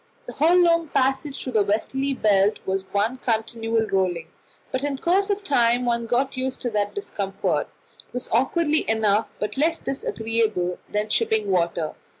The whole long passage through the westerly belt was one continual rolling; but in course of time one got used even to that discomfort. It was awkward enough, but less disagreeable than shipping water.